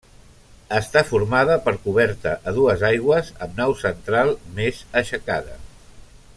Està formada per coberta a dues aigües amb nau central més aixecada.